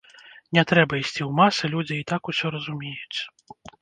Не трэба ісці ў масы, людзі і так усё разумеюць.